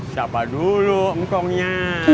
siapa dulu mekongnya